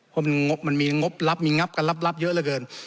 เพราะมันมีงบรับมีงบกันรับเยอะเหลือเกิน